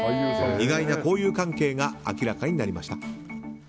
意外な交友関係が明らかになりました。